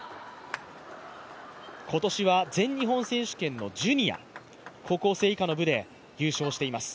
今年は全日本選手権のジュニア高校生以下の部で優勝しています。